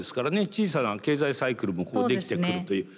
小さな経済サイクルも出来てくるという。